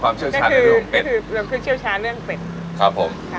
คุณชื่อชาในเรื่องแปด